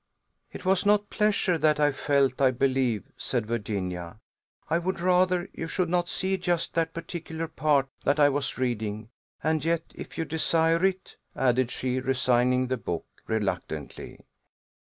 "It was not pleasure that I felt, I believe," said Virginia. "I would rather you should not see just that particular part that I was reading; and yet, if you desire it," added she, resigning the book reluctantly.